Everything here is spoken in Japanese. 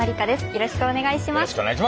よろしくお願いします。